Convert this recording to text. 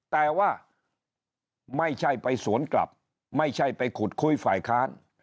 แต่ว่าไม่ใช่ไปสวนกลับไม่ใช่ไปขุดคุยฝ่ายค้าน